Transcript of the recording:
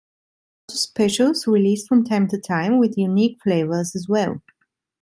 There are also specials released from time to time, with unique flavors as well.